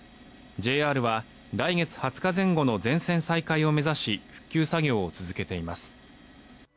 ＪＲは来月２０日前後の全線再開を目指し復旧作業を続けています。